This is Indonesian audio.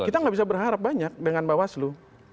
kita nggak bisa berharap banyak dengan bawaslu